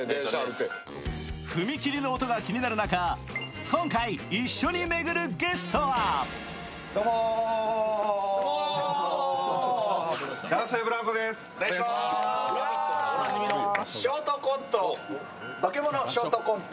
踏切の音が気になる中、今回一緒に巡るゲストはショートコント。